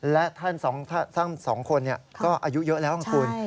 และท่านสองคนก็อายุเยอะแล้วนะครับคุณ